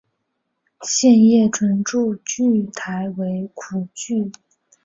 线叶唇柱苣苔为苦苣苔科唇柱苣苔属下的一个种。